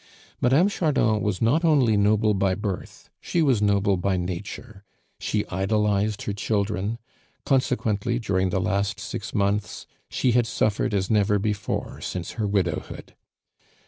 Mme. Chardon was not only noble by birth, she was noble by nature; she idolized her children; consequently, during the last six months she had suffered as never before since her widowhood.